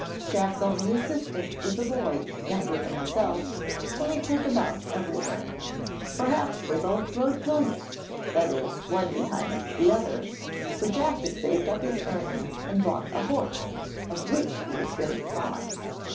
Jack's only assistant was a boy younger than himself, whom he took about everywhere. Perhaps they both rode pillion that is, one behind the other; for Jack had saved up his earnings and bought a horse, of which he was very fond.